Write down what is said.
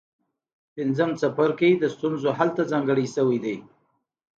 پنځم څپرکی د ستونزو حل ته ځانګړی شوی دی.